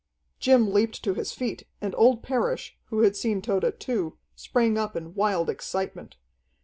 Jim leaped to his feet, and old Parrish, who had seen Tode too, sprang up in wild excitement.